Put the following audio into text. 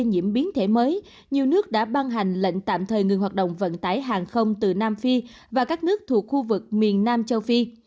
trong thời gian nguy cơ lây nhiễm biến thể mới nhiều nước đã ban hành lệnh tạm thời ngừng hoạt động vận tải hàng không từ nam phi và các nước thuộc khu vực miền nam châu phi